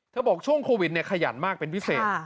เธอบอกช่วงโควิดเนี่ยขยันมากเป็นพิเศษ